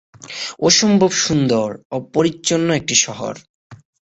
অসম্ভব সুন্দর ও পরিচ্ছন্ন একটি শহর।